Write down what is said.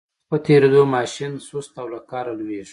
د وخت په تېرېدو ماشین یې سست او له کاره لویږي.